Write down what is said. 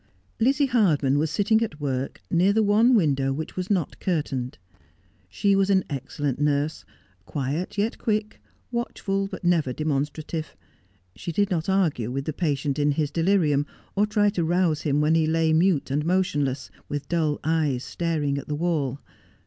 Lizzie Hardman was sitting at work near the one window which was not curtained. She was an excellent nurse, quiet yet quick, watchful but never demonstrative. She did not argue with the patient in his delirium, or try to rouse him when he lay mute and motionless, with dull eyes staring at the wall.